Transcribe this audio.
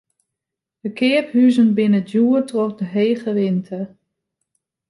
De keaphuzen binne djoer troch de hege rinte.